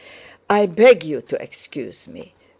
I beg you to excuse me...